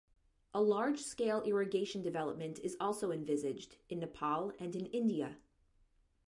A large-scale irrigation development is also envisaged- in Nepal and in India.